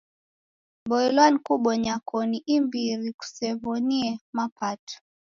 Boilwa ni kubonya koni imbiri kusew'oniemapato.